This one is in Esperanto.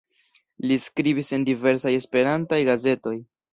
Li skribis en diversaj Esperantaj gazetoj.